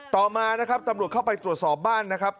ต่อมานะครับตำรวจเข้าไปตรวจสอบบ้านนะครับ